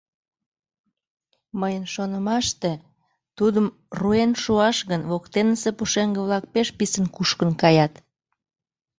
Мыйын шонымаште, тудым руэн шуаш гын, воктенысе пушеҥге-влак пеш писын кушкын каят.